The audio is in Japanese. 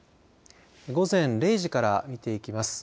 午前０時から見ていきます。